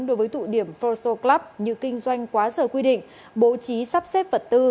đối với tụi điểm fossil club như kinh doanh quá sở quy định bộ trí sắp xếp vật tư